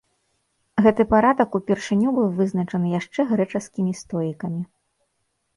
Гэты парадак упершыню быў вызначаны яшчэ грэчаскімі стоікамі.